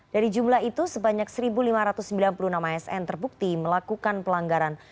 dari jumlah itu sebanyak satu lima ratus sembilan puluh enam asn terbukti melakukan pelanggaran